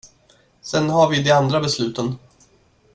Sen har vi de andra besluten.